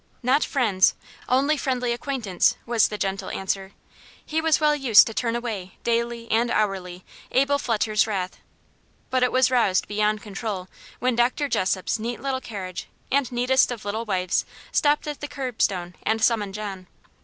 "Not FRIENDS only friendly acquaintance," was the gentle answer: he was well used to turn away, daily and hourly, Abel Fletcher's wrath. But it was roused beyond control when Dr. Jessop's neat little carriage, and neatest of little wives, stopped at the curb stone and summoned John.